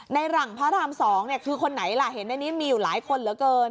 ในหลังพระราม๒คือคนไหนล่ะเห็นในนี้มีอยู่หลายคนเหลือเกิน